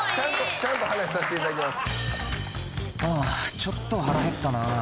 ちゃんと話さしていただきます。